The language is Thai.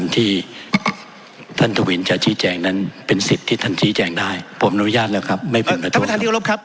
ท่านประธานที่อรบครับ